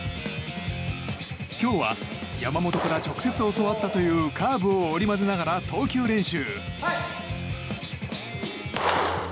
今日は山本から直接教わったというカーブを織り交ぜながら投球練習。